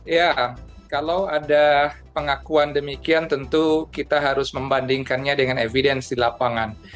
ya kalau ada pengakuan demikian tentu kita harus membandingkannya dengan evidence di lapangan